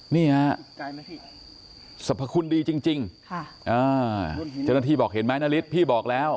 นี่ฮะสรรพคุณดีจริงเจ้าหน้าที่บอกเห็นไหมนาริสพี่บอกแล้ว